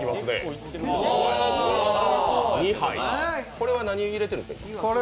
これは何入れているんですか？